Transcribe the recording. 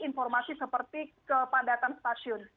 informasi seperti kepadatan stasiun